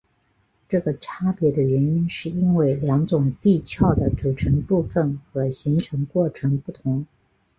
这个差别的原因是因为两种地壳的组成部分和形成过程不同。